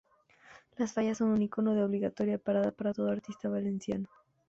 Las fallas son un icono de obligatoria parada para todo artista valenciano.